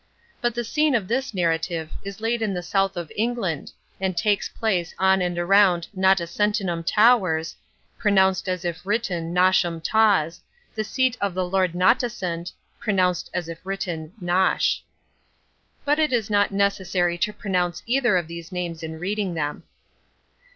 But the scene of this narrative is laid in the South of England and takes place in and around Knotacentinum Towers (pronounced as if written Nosham Taws), the seat of Lord Knotacent (pronounced as if written Nosh). But it is not necessary to pronounce either of these names in reading them.